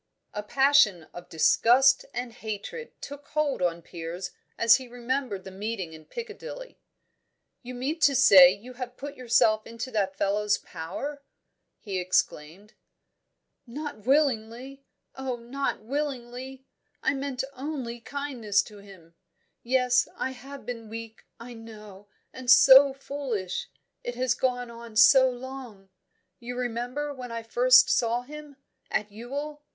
A passion of disgust and hatred took hold on Piers as he remembered the meeting in Piccadilly. "You mean to say you have put yourself into that fellow's power?" he exclaimed. "Not willingly! Oh, not willingly! I meant only kindness to him. Yes, I have been weak, I know, and so foolish! It has gone on so long. You remember when I first saw him, at Ewell?